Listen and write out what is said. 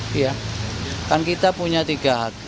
kalau sebagai panelnya itu sudah ada panelnya ada tiga ya nanti